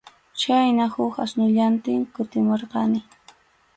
Chhayna huk asnullantin kutimurqani.